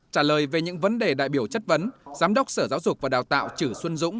trả lời về những vấn đề đại biểu chất vấn giám đốc sở giáo dục và đào tạo chử xuân dũng